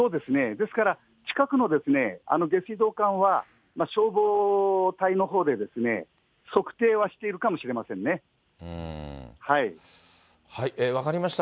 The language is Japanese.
ですから、近くの下水道管は、消防隊のほうで測定はしているかもしれません分かりました。